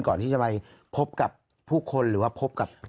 ก่อนที่จะไปพบกับผู้คนหรือว่าพบกับ